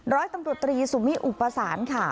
ร้อยตำรวจตรีสุมิอุปสานค่ะ